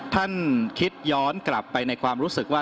ท่านคิดย้อนกลับไปในความรู้สึกว่า